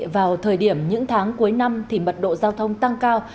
vào thời điểm những tháng cuối năm thì mật độ giao thông tăng cao